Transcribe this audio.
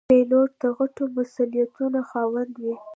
پیلوټ د غټو مسوولیتونو خاوند وي.